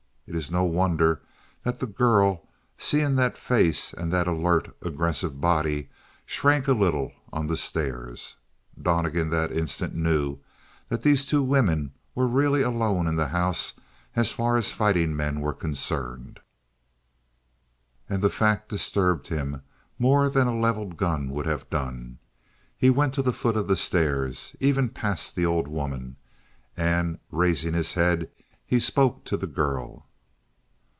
It was no wonder that the girl, seeing that face and that alert, aggressive body, shrank a little on the stairs. Donnegan, that instant, knew that these two women were really alone in the house as far as fighting men were concerned. And the fact disturbed him more than a leveled gun would have done. He went to the foot of the stairs, even past the old woman, and, raising his head, he spoke to the girl.